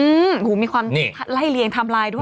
หูมีความไล่เลียงไทม์ไลน์ด้วย